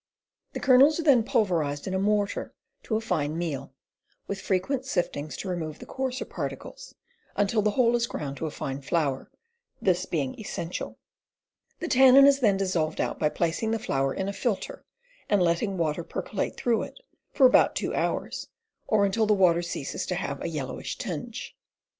The kernels are then pulver ized in a mortar to a fine meal, with frequent siftings to remove the coarser particles, untU the whole is ground to a fine flour, this being essential. The tannin is then dissolved out by placing the flour in a filter and letting water percolate through it for about two hours, or until the water ceases to have a yellowish tinge.